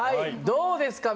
どうですか？